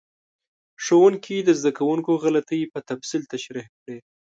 ښوونکي د زده کوونکو غلطۍ په تفصیل تشریح کړې.